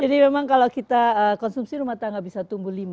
jadi memang kalau kita konsumsi rumah tangga bisa tumbuh lima